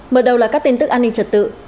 mở đầu là các tin tức an ninh trật tự